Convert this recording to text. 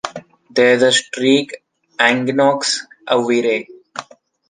There is a street Aignaux à Vire.